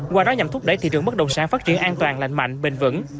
qua đó nhằm thúc đẩy thị trường bất động sản phát triển an toàn lành mạnh bền vững